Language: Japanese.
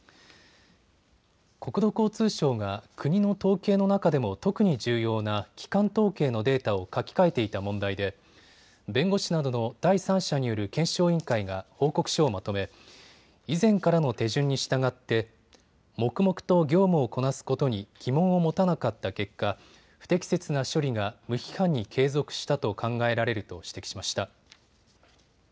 国土交通省が国の統計の中でも特に重要な基幹統計のデータを書き換えていた問題で弁護士などの第三者による検証委員会が報告書をまとめ以前からの手順に従って黙々と業務をこなすことに疑問を持たなかった結果、不適切な処理が無批判に継続したと考えられると指摘しました。